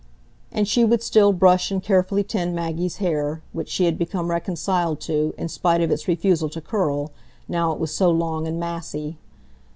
And she would still brush and carefully tend Maggie's hair, which she had become reconciled to, in spite of its refusal to curl, now it was so long and massy.